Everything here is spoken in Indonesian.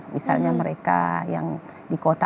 misalnya mereka yang di kota